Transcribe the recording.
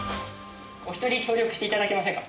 お一人協力して頂けませんか？